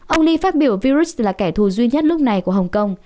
ông lee phát biểu virus là kẻ thù duy nhất lúc này của hồng kông